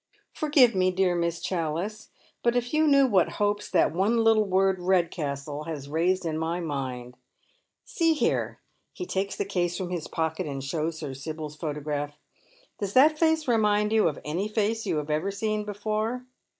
" Forgive me, dear Miss Challice, but if you knew what hopes that one little word Redcastle has raised in my mind ! See here "— he takes the case from his pocket and shows her Sibyl's photograph, —" does that face remind you of any face you have ever seen before